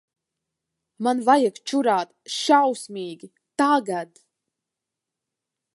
Man vajag čurāt. Šausmīgi. Tagad.